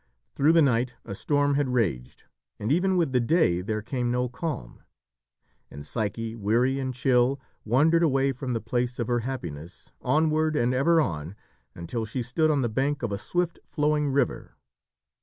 Through the night a storm had raged, and even with the day there came no calm. And Psyche, weary and chill, wandered away from the place of her happiness, onward and ever on, until she stood on the bank of a swift flowing river.